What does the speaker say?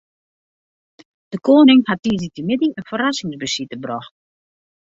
De koaning hat tiisdeitemiddei in ferrassingsbesite brocht.